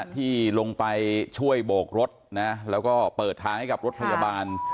ที่ลงไปช่วยโบกรถนะแล้วก็เปิดทางให้กับรถพยาบาล